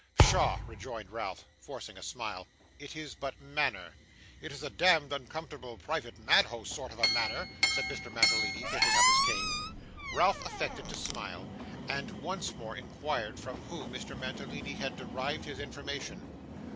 'Pshaw,' rejoined Ralph, forcing a smile. 'It is but manner.' 'It is a demd uncomfortable, private madhouse sort of a manner,' said Mr Mantalini, picking up his cane. Ralph affected to smile, and once more inquired from whom Mr. Mantalini had derived his information.